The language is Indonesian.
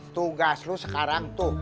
tugas lo sekarang tuh